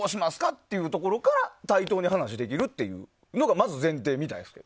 っていうところから対等に話できるというのがまず前提みたいですよ。